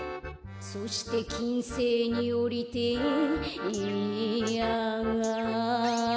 「そしてきんせいにおりてえええんやあ」